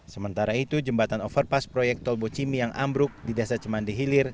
sementara itu jembatan overpass proyek tolbo cimi yang ambruk di desa cemandihilir